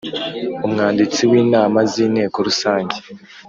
Umwanditsi w inama z Inteko Rusange